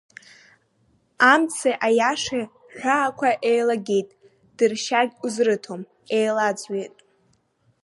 Амци аиашеи рҳәаақәа еилагеит, дыршьагь узрыҭом, еилаӡҩеит…